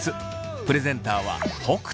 プレゼンターは北斗。